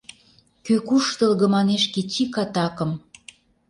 Кӧ куштылго манеш кеч ик атакым